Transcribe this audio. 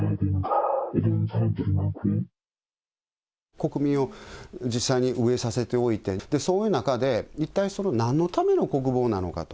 国民を実際に飢えさせておいて、そういう中で、一体なんのための国防なのかと。